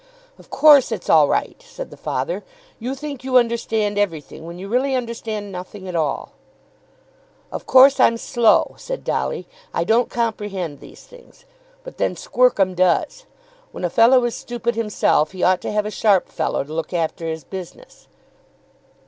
"Of course it's all right," said the father. "You think you understand everything, when you really understand nothing at all." "Of course I'm slow," said Dolly. "I don't comprehend these things. But then Squercum does. When a fellow is stupid himself, he ought to have a sharp fellow to look after his business."